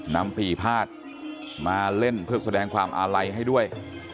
นำปีพาดมาเล่นเพื่อแสดงความอาลัยให้ด้วย